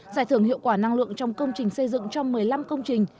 giải thưởng hiệu quả năng lượng trong công trình xây dựng trong một mươi năm thương hiệu